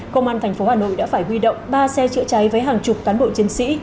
công an tp hà nội đã phải huy động ba xe chữa cháy với hàng chục cán bộ chiến sĩ